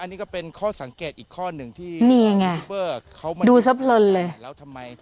นี่ไงดูซะพลนเลย